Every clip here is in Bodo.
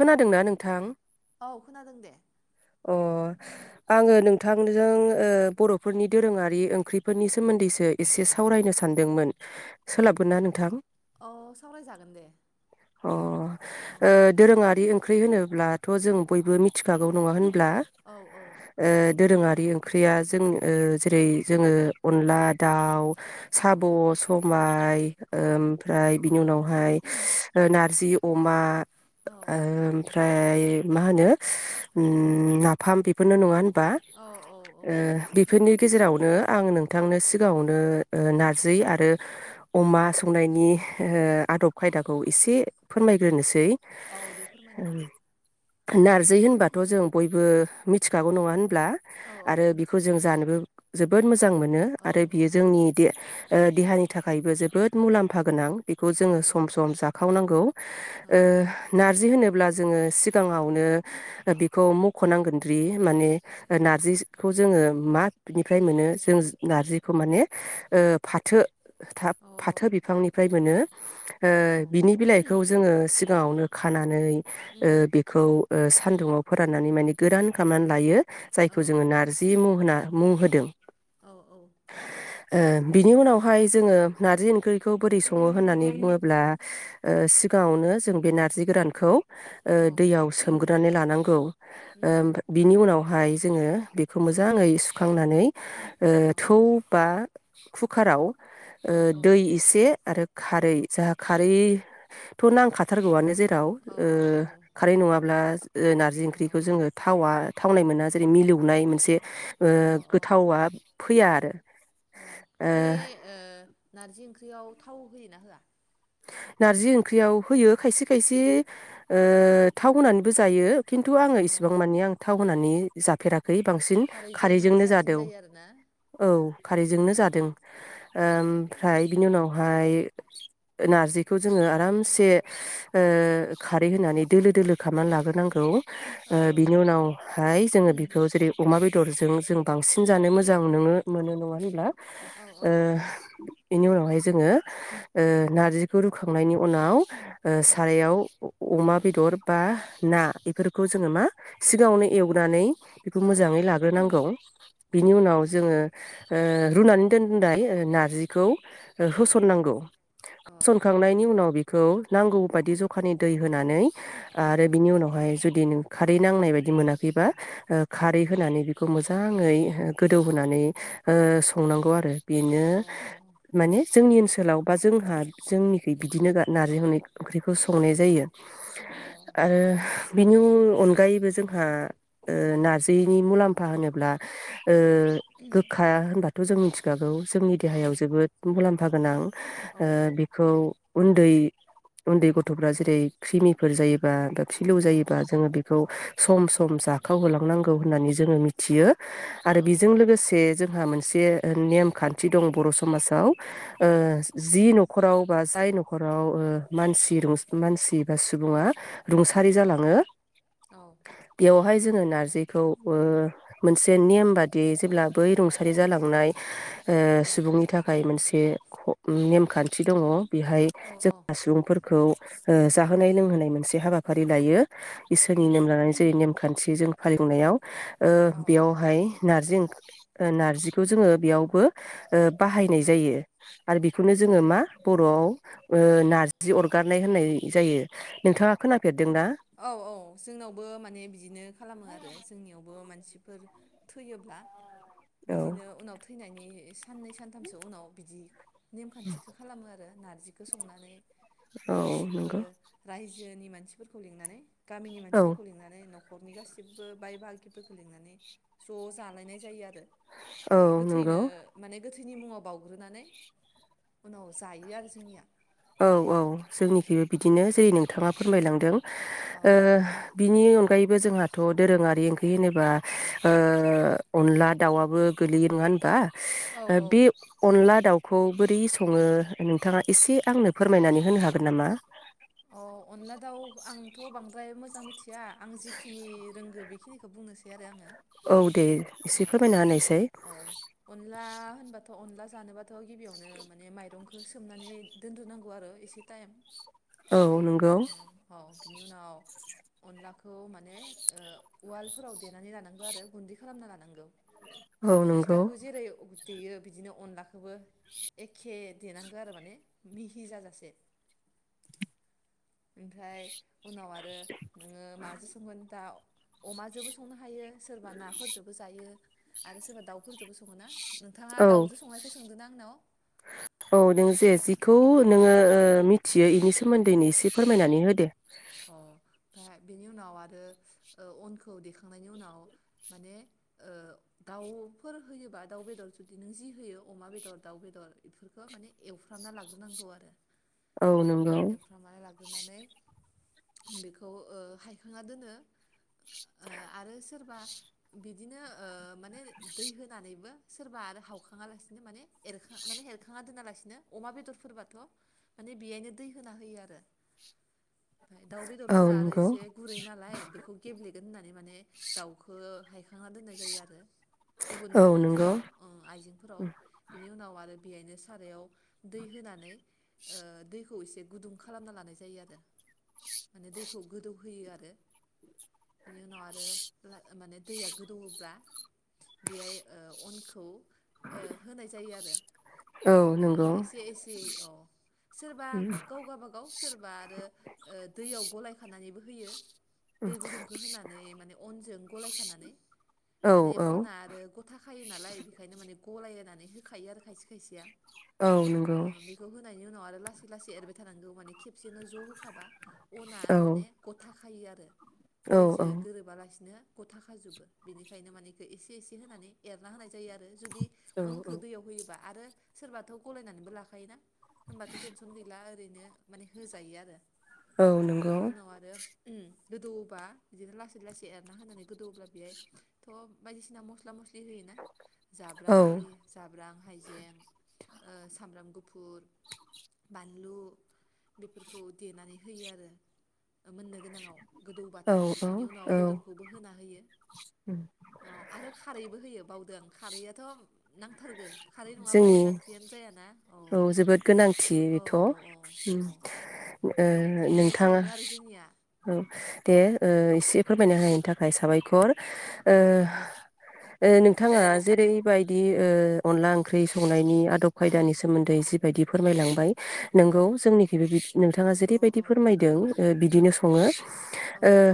खोनादोंना नोंथां? औ खोनादों दे। अ आङो नोंथांजों ओ बर'फोरनि दोरोङारि ओंख्रिफोरनि सोमोन्दैसो एसे सावरायनो सानदोंमोन सोलाबगोन ना नोंथां? अ सावरायजागोन दे अ। खारै ओंख्रि होनोब्लाथ' जों बयबो मिथिखागौ नङा होन ब्ला औ औ ओ दोरोङारि दै ओंख्रिया जों ओ जेरै जोङो अनला दाउ औ साब' समाइ औ ओमफ्राय बिनि उनावहाय ओ नारजि अमा ओ ओमफ्राय मा होनो ओ नाफाम बेफोरनो नङा होन बा औ औ ओ औ बेफोरनि गेजेरावनो आं नोंथांनो सिगाङावनो ओ नार्जि आरो अमा ओ संनायनि आदब खायदाखौ एसे फोरमायग्रोनोसै। औ दे फोरमायना हो आनार जै होनबाथ' जों बयबो। मिथिखागौ नङा होन ब्ला औ औ आरो बेखौ मिन्थियो जों जानोबो जोबोद मो मोजां मोनो औ आरो औ बियो जोंनि दे ओ देहानि थाखायबो जोबोद मुलाम्फा गोनां बेखौ औ जोङो सम सम जाखावनांगौ। औ अ ओ नार्जि होनोब्ला जोङो सिगाङावनो बिखौ मख'नांगोनद्रि माने नार्जिखौ जोङो मानिफ्राय मोनो जों नार्जिखौ माने ओ फाथो थाब फाथो बिफांनिफ्राय मोनो ओ औ औ बिनि बिलाइखौ जोङो सिब गावनो खानानै ओ उम बेखौ ओ सान्दुङाव फोराननानै माने गोरान खालामनानै लायो। जायखौ औ जोङो नारजि मुं होना मुं होदों औ औ ओ बिनि उनावहाय जोङो नारजि ओंख्रिखौ बोरै सङो होननानै बुङोब्ला ओ सिगाङावनो जों बे नारजि नारजि गोरानखौ ओ दैयाव सोमग्रोनानै लानांगौ उम बिनि उनाव। हाय जोङो बेखौ मोजाङै सुखांनानै ओ औ थौ बा कुकाराव औ ओ दै एसे आरो खारै जोंहा खारैथ' नांखाथारगौआनो जे राव औ खारै नङाब्ला ओ नारजि ओंख्रिखौ अ जोङो थावा थावनाय मोना जेरै मिलौनाय मोनसे ओ अ अ गोथावा फैया आरो बे ओ ओ नारजि ओंख्रियाव थाव होयो ना होआ? नारजि ओंख्रियाव होयो खायसे खायसे ओ थाव होनानैबो जायो। खिन्थु आङो अ इसिबां मानानि आं थाव होनानै जाफेराखै खै बांसिन खारैजों खारैजोंनो साबसिन जादों जायो आरोना औ खारैजोंनो अ जादों ओ ओमफ्राय बिनि उनावहाय नारजि बेखौ जोङो आरामसे ओ खारै होनानै दोलो दोलो खालामनानै लाग्रोनांगौ अ ओ बिनि उनावहाय जोङो बेखौ जेरै अमा बेदर बेदरजों जों बांसिन जानो मोजां नो मोनो नङा होनब्ला? औ ओ औ बेनि उनावहाय जोङो ओ नारजि ओ खौ रुखांनायनि उनाव ओ सारायाव अमा बेदर बा ना बेफोरखौ जोङो मा सिगाङावनो एवनानै बेखौ मोजाङै लाग्रोनांगौ बिनि उनाव जोङो ओ रुनानै दोनदाय ओनार्जिखौ ओ होसननांगौ संनायनि उनाव बिखौ नांगौ बादि जखानि दै होनानै आरो बिनि उनावहाय जुदि नों खारै नांनाय बायदि मोनाखैबा ओ खारै होनानै बि खौ मोजाङै हो गोदौहोनानै ओ संनांगौ आरो बिनो माने जोंनि ओनसोलाव बा जोंहा जोंनिखै बिदिनो गा नारजि हनै ओंख्रिखौ संनाय जायो। आरो बिनि अनगायैबो जोंहा ओ नारजिनि मुलाम्फा होनोब्ला ओ गोखा होनबा थ' जों मिथिखागौ। जोंनि देहायाव जोबोद मुलाम फा गोनां। औ औ। औ उन्दै उन्दै गथ'फोरा जेरै क्रिमिफोर जायोबा गो फिलौ जायोबा जोङो बिखौ सम सम जाखावहोलांनांगौ होननानै जोङो मिथियो। आरो बिजों लोगोसे जों हा मोनसे नेमखान्थि दं बर' समाजाव ओ जि न' बा जाय न'खराव ओ मानसि रुं मानसि बा सुबुङा रुंसारि जालाङो बेयावहाय जोङो नारजिखौ ओ मोनसे नेम बादियै जेब्ला बै रुंसारि जालांनाय ओ सुबुंनि थाखाय मोनसे ख' नेमखान थि दङ बिहाय जोंहा सुबुंफोरखौ ओ जाहोनाय लोंहोनाय मोनसे हाबाफारि लायो इसोरनि नेम लानानै जेरै नेम खान्थि जों हालिवनायाव ओ बियावहाय नारजि ओं ओ नारजिखौ जोङो बेयावबो ओ बाहायनाय जायो आरो बेखौनो जोङो मा बर'आव ओ नारजि अरगारनाय होननाय जायो नोंथाङा खोना औ औ जोंनावबो माने बिदिनो खालामो आरो जोंनियावबो मानसि फोर थैयोब्ला औ बिदिनो उनाव थैनायनि साननै सानथामसो उनाव बिदि नेमखान्थिखौ खालामो आरो नारजिखौ संनानै औ गासिबो नंगौ रायजो जोनि मानसिफोर खौ लिंनानै गामिनि औ मानसिफोरखौ लिंनानै न' न'खरनि गासैबो बाय बाहागिफोरखौ लिंनानै ज' जालायनाय जायो आरो औ गोथैनो नंगौ माने गोथैनि मुङाव बावउग्रोनानै उनाव जायो आरो जोंनिया औ औ जोंनिखैबो बिदिनो जेरै नोंथाङा फोरमायलांदों औ ओ बिनि अनगायैबो जोंहाथ' दोरोङारि ओंख्रि होनोबा ओ अनला दाउआबो गोलैयो नङा होनबा औ ओ औ बे अनला दाउखौ बोरै सङो नोंथाङा एसे आंनो फोरमायनानै होनो हागोन नामा अ अनला दाउ आंथ' बां द्राय मोजां मिथि गैया आं जिखिनि रोंगौ बेखिनि बुंनोसै आरो आङो औ दे एसे अ अ फोरमायना होनायसाय औ अनला होनबाथ' अनला जानोबाथ' गिबियावनो माने माइरंखौ सोमनानै दोनद्रोनांगौ आरो एसे टाइम औ नंगौ औ औ बिनि उनाव अनलाखौ माने ओ उवालफोराव देनानै लानांगौ आरो गुन्दै खालामना लानांगौ औ नंगौ फिथाखौ जेरै उगुद देयो बिदिनो अनलाखौबो एखे देनांगौ आरो माने मिहि जाजासे ओमफ्राय उनाव आरो नोङो माजों संगोन दाउ अमाजोंबो संनो हायो सोरबा नाफोरजोंबो जायो आरो सोरबा दाउफोरजोंबो सङोना औ औ नों जे अ जिखौ अ नोङो ओ मि मिथियो बेनि सोमोन्दैनो एसे फोरमायनानै होदो ओ बेनि उनाव आरो ओ अनखौ देखांनायनि उनाव माने दाउफोर होयोबा ओ दाउ बेदर जुदि नों जि होयो अमा बेदर दाउ बेदर बेफोरखौ माने एवफ्रामना लाग्रोनांगौ आरो औ नंगौ नानै बेखौ ओ हायखांना दोनो ओ आरो सोरबा बिदिनो ओ माने दै होनानैबो सोरबा आरो हावखाङा लासिनो माने एर माने एरखाङा दोनालासिनो अमा बेदरफोरबाथ' माने बेयायनो दै होना होयो आरो ओमफ्राय दाउ औ बेदरफोरा आरो नंगौ एसे गुरै नालाय बेखौ गेब्लेगोन होननानै माने दाउखौ हायखांना दोननाय जायो आरो गुबुन औ नंगौ माबाफोराव ओ आइजेंफोराव बिनि उनाव आरो बेहायनो सारायाव दै होनानै ओ दैखौ एसे गुदुं खालामना लानाय जायो आरो माने दैखौ गोदौहोयो आरो बिनि उनाव आरो मा-माने दैया गोदौवोब्ला बेहाय अनखौ ओ होनाय जायो आरो औ नंगौ एसे एसे औ सोरबा गाव गावबागाव सोरबा आरो दैयाव गलाय खानानैबो होयो। दै गुदुंखौ होनानै माने अनजों गलायखानानै औ माने औ अना आरो गथाखायो नालाय बेखायनो माने गलायनानै होखायो आरो खायसे खायसेया औ नंगौ। ओ बेखौ होनायनि उनाव आरो लासै लासै एरबाय थानांगौ माने खेबसेनो ज' होखाबा अना औ माने गथा होयो आरो। औ औ दैजों गोरोबालासिनो गथा खाजोबो बिनिखायनो मानिे एसे एसे होनानै एरना होनाय जायो आरो। जुदि औ अनखौ औ दैयाव होयोबा आरो। सोरबाथ' गलायनानैबो लाखायोना। होमबाथ' टेनसन गैला ओरैनो माने होजायो आरो। औ नंगौ। ओम गोदौबा बिदिनो लासै लासै एरना होनानै गोदौब्ला बेहाय थ' बायदिसिना मस्ला मस्लि बिदि होयोना औ जाब्रां आरि जाब्रां हाइजें ओ सामब्राम गुफुर बानलु बेफोरखौ देनानै होयो आरो। मोननो गोनाङाव औ गोदौबाथाय औ बिनि उनाव औ बेदरखौबो होना होयो अ आरो खारैबो होयो बाव दों खारैयाथ' नांथारगो खारै नङाबा जोंनि अनला ओंख्रियानो जायाना औ जोबोद गोनांथि औ बेथ' ओ औ औ औ। बिदिनो नोंथाङा सङो आरो जोंनिया औ दे ओ एसे फोरमायनो होनायनि थाखाय साबायखर। ओ ओ नोंथाङा नोंथां जेरै बाय दि ओ अनला ओंख्रि संनायनि आदब खायदानि सोमोन्दै जि बायदि फोरमायलांबाय नोंगौ औ जोंनिखैबो बिद नोंथाङा औ जेरैबायदि औ फोरमायदों। ओ बिदिनो सङो। औ ओ औ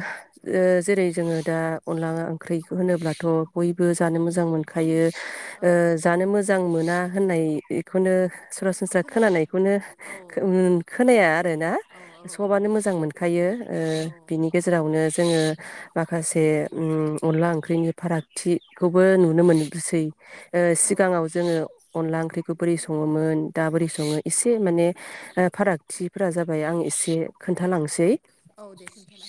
ओ जेरै जोङो दा अनला ओंख्रि होनोब्लाथ' बयबो जानो उम मोजां मोनखायो। ओ औ जानो मोज मोजां मोना होननाय खौनो सरासनस्रा खोनाया खोनानायखौनो औ ओन खोनाया आरोना औ सबानो मोजां मोनखायो ओ औ बिनि गेजेरावनो जोङो माखासे अनला ओ ओंख्रिनि फारागथिखौबो नुदों नुनो मोनग्रोसै ओ औ औ सिगाङाव जोङो अनला ओं ओंख्रिखौ बोरै सङोमोन दा बोरै सङो एसे माने ओ फारागथिफोरा जाबाय आं एसे खोनथालांसै औ दे खोन्थाना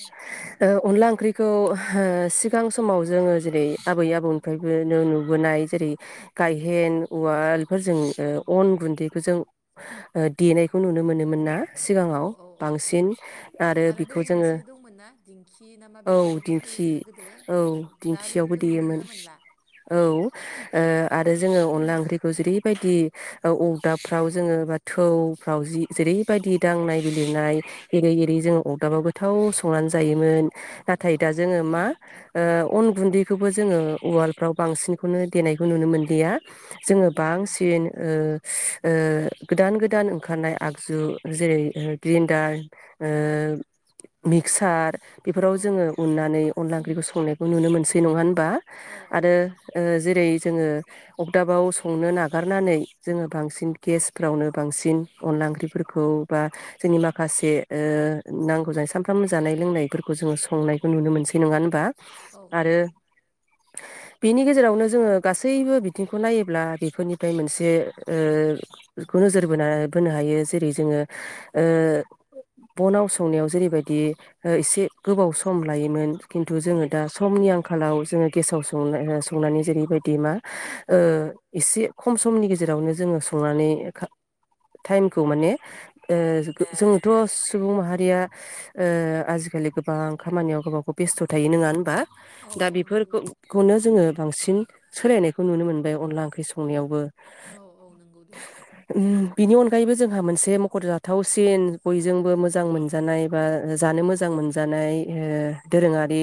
ओ अनला ओंख्रिखौ हो सिगां समाव जोङो जेरै आबै आबौनिफ्रायबो नुबोनाय जेरै गायहेन उवाल फोरजों हो ओ अन गुन्दैखौ जों ओ देनायखौ नुनो मोनोमोन ना औ सिगाङाव औ औ औ बांसिन आरो बै बेखौ जोङो मोनसे दंमोन ना दिंखि ना मा औ बेखौबो दिंखि बाहायोमोन ना गोदो औ दा दिंखियावबो बेफोरखौ देयोमोन नुनोनो मोनला औ ओ उम आरो जोङो अनला ओंख्रि जिरि ओरैबायदि ओ अरदाबफ्राव जोङो बा थौफ्राव जि जेरैबायदि दांनाय बिलिरनाय एरै एरै जोङो अरदाबाव गोथाव संनानै जायोमोन औ नाथाय दा जोङो मा ओ अन गुन्दैखौबो जोङो उवालफ्राव बांसिन खौनो देनायखौ नुनो मोनलिया औ जोङो नंगौ बांसिन ओ ओ गोदान गोदान ओंखारनाय आगजु जेरै ग्रिनडार ओ औ मिक्सार बेफोराव औ जोङो औ उननानै अनला ओंख्रिखौ संनायखौ नुनो मोनसै बे नंहान बा औ औ आरो जेरै जोङो अरदाबाव संनो नागारनानै जोङो बांसिन गेसफ्रावनो बांसिन अनला ओंख्रिफोरखौ बा जोंनि माखासे ओ नांगौ जानाय सामफ्रामबो जानाय लोंनायफोरखौ जोङो संनायखौ नुनो मोनसै नङा होनबा औ नंगौ बिनि गे जेरावनो जोङो गासैबो बि बिथिंखौ नायोब्ला बेफोरनिफ्राय मोनसे ओ नोजोर बोना बोनो हायो जेरै जोङो ओ बनाव संनायाव जेरैबायदि एसे गोबाव सम लायोमोन खिन्थु औ जोङो दा समनि आंखालाव जोङो गेसाव संनाय ओ संनानै जेरैबायदि मा ओ एसे खम समनि गेजेरावनो जोङो संनानै टाइमखौ माने ओ जोंथ' सुबुं माहारिया ओ आजिखालि गोबां खामानियाव गावबागाव बेस्थ' थायो नोङा होनबा औ दा औ नंगौ बेफोरखौ नो बांसिन सोलायनायखौ नुनो मोनबाय अनला ओंख्रि संनायावबो औ औ नंगौ दे उम बिनि अनगायैबो जोंहा मोनसे मखर जाथावसिन बयजोंबो मोजां मोनजानाय बा जानो मोजां मोनजानाय ओ दोरोङारि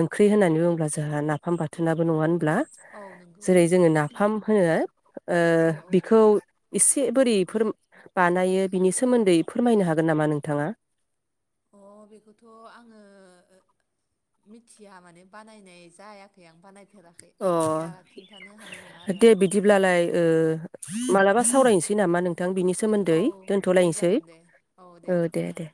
ओंख्रि होननानै बुङोब्ला जोंहा नाफाम बाथ थोनाबो नङा होनब्ला औ नंगौ जेरै जोङो नाफाम होनो ओ औ औ बिखौ इस एसे बोरैफोर बानायो बिनि सोमोन्दै फोरमायनो हागोन नामा नोंथाङा अ बेखौथ' आङो मिथिया माने बानायनाय जायाखै आं बानाय अ नङा आरो आं दे बिदिब्लालाय ओ मालाबा सावरायनोसै नामा नोंथां बिनि सोमोन्दै औ दे दोनथ'लायनोसै जागोन दे औ ओ दे दे